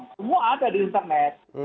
semua ada di internet